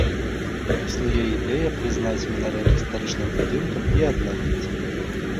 Існуе ідэя прызнаць мінарэт гістарычным будынкам і аднавіць.